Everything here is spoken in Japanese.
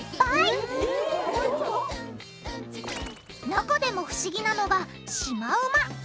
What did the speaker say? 中でも不思議なのがシマウマ。